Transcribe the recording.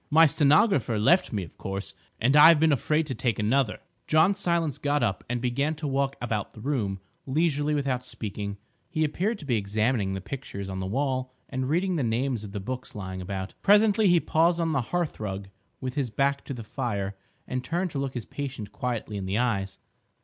My stenographer left me of course—and I've been afraid to take another—" John Silence got up and began to walk about the room leisurely without speaking; he appeared to be examining the pictures on the wall and reading the names of the books lying about. Presently he paused on the hearthrug, with his back to the fire, and turned to look his patient quietly in the eyes.